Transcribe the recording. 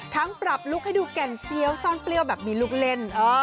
ปรับลุคให้ดูแก่นเซียวซ่อนเปรี้ยวแบบมีลูกเล่น